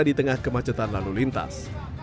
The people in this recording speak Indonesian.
di tengah kemacetan lalu lintas